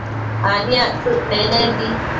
aniactsëc menembi